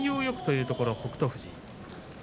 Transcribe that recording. よくというところの北勝富士。